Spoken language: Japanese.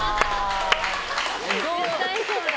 絶対そうだ。